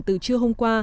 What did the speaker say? từ trưa hôm qua